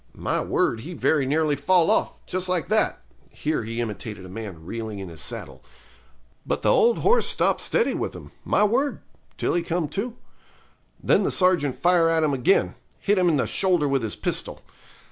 My word, he very nearly fall off just like that' (here he imitated a man reeling in his saddle); 'but the old horse stop steady with him, my word, till he come to. Then the sergeant fire at him again; hit him in the shoulder with his pistol.